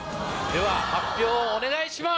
では発表お願いします！